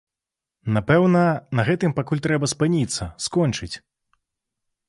Напэўна, на гэтым пакуль трэба спыніцца, скончыць.